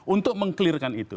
untuk mengkelirkan itu